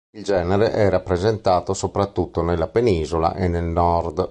Il genere è rappresentato soprattutto nella penisola e nel nord.